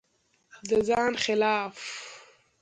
د ځان خلاف